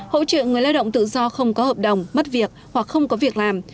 hỗ trợ người lao động tự do không có hợp đồng mất việc hoặc không có việc làm